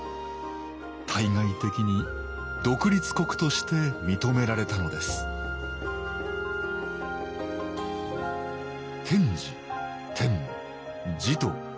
対外的に独立国として認められたのです天智天武持統。